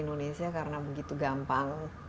indonesia karena begitu gampang